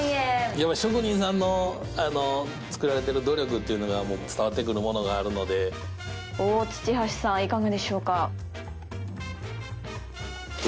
やっぱり職人さんのあの作られてる努力っていうのが伝わってくるものがあるので大土橋さんいかがでしょうか？